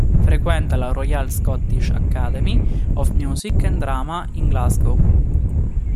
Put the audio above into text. Frequenta la Royal Scottish Academy of Music and Drama in Glasgow.